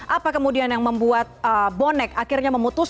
apa kemudian yang membuat bonek akhirnya memutus